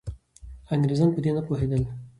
انګریزان په دې نه پوهېدل.